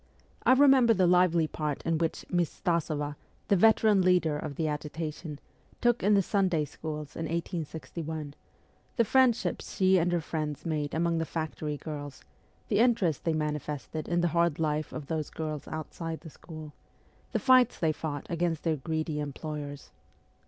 I remember the lively part which Miss Stasova, the veteran leader of the agitation, took in the Sunday schools in 1861, the friendships she and her friends made among the factory girls, the interest they manifested in the hard life of those girls outside the school, the fights they fought against their greedy employers.